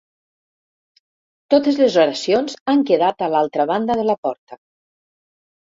Totes les oracions han quedat a l'altra banda de la porta.